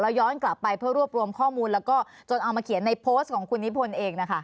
ย้อนกลับไปเพื่อรวบรวมข้อมูลแล้วก็จนเอามาเขียนในโพสต์ของคุณนิพนธ์เองนะคะ